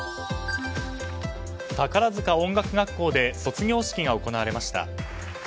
宝塚音楽学校で卒業式が行われました。